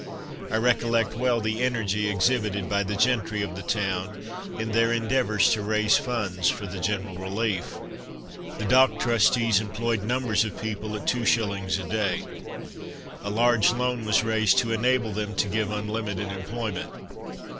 I recollect well the energy exhibited by the gentry of the town, in their endeavours to raise funds for the general relief. The Dock Trustees employed numbers of people at 2s. a day. A large loan was raised to enable them to give unlimited employment.